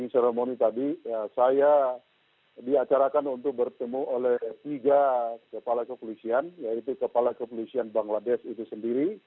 saya di acarakan untuk bertemu oleh tiga kepala kepolisian yaitu kepala kepolisian bangladesh itu sendiri